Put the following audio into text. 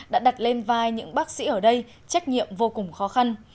đã đặt lên vai những bác sĩ ở đây trách nhiệm vô cùng khó khăn